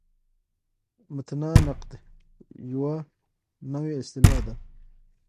متني نقد یوه نوې اصطلاح ده.